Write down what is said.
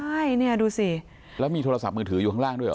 ใช่เนี่ยดูสิแล้วมีโทรศัพท์มือถืออยู่ข้างล่างด้วยเหรอ